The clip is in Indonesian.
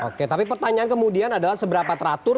oke tapi pertanyaan kemudian adalah seberapa teratur